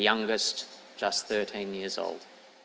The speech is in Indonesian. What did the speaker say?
yang paling muda hanya tiga belas tahun